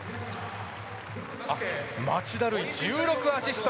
町田瑠唯、１６アシスト。